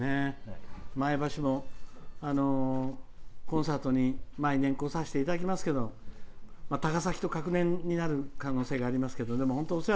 前橋もコンサートに毎年、来させていただきますけど高崎と隔年になる可能性がありますけど本当